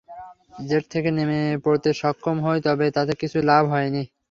Jet থেকে নেমে পড়তে সক্ষম হই, তবে তাতে কিছু লাভ হয়নি।